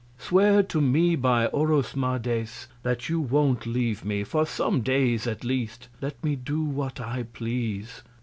Swear to me by Orosmades, that you won't leave me, for some Days at least, let me do what I please.